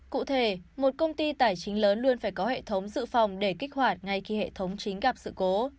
cụ thể một công ty tài chính lớn luôn phải có hệ thống dự phòng để kích hoạt ngay khi hệ thống chính gặp sự cố